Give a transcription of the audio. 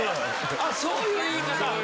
そういう言い方。